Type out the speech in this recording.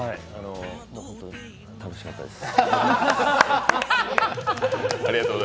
本当に楽しかったです。